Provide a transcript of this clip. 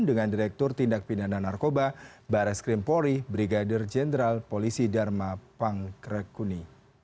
dengan direktur tindak pidana narkoba bares krimpori brigadir jenderal polisi dharma pangkrekuni